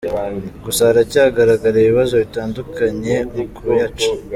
Gusa haracyagaragara ibibazo bitandukanye mu kuyaca.